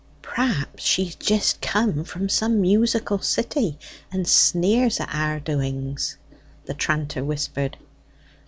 "Perhaps she's jist come from some musical city, and sneers at our doings?" the tranter whispered.